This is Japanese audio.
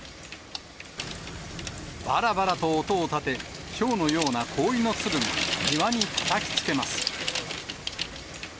ばらばらと音をたて、ひょうのような氷の粒が庭にたたきつけます。